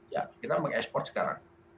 ya kita mengekspor sekarang